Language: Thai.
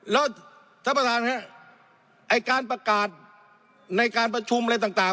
แล้วท่านประธานครับไอ้การประกาศในการประชุมอะไรต่าง